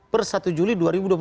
per satu juli dua ribu dua puluh